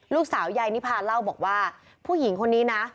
ยายนิพาเล่าบอกว่าผู้หญิงคนนี้นะ